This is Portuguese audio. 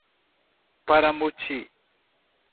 Paramoti